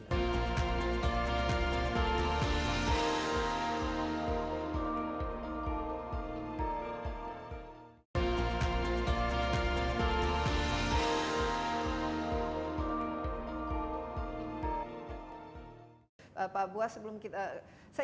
jadi jika ada biaya dimana making sure the order